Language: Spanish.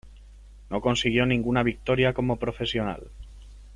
No consiguió ninguna victoria como profesional.